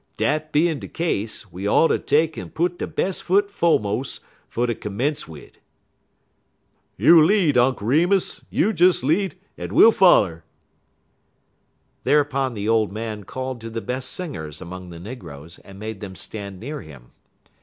Dat bein' de case we oughter take 'n put de bes' foot fo'mus' fer ter commence wid." "You lead, Unk Remus! You des lead en we'll foller." Thereupon the old man called to the best singers among the negroes and made them stand near him.